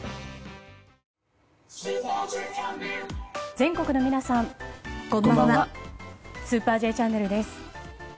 全国の皆さん、こんばんは「スーパーＪチャンネル」です。